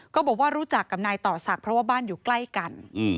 ก็บอกว่ารู้จักกับนายต่อศักดิ์เพราะว่าบ้านอยู่ใกล้กัน